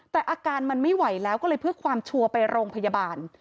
แต่อาการมันไม่ไหวแล้วก็เลยเพื่อความชัวร์ไปโรงพยาบาล